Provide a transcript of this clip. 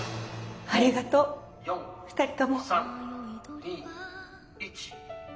ありがとう２人とも。